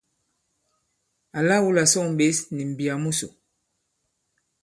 Àla wu là sôŋ ɓěs nì m̀mbiyà musò.